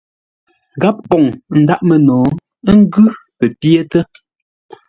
Gháp kôŋ ndáʼ məno, ngʉ́ pə pyétə́.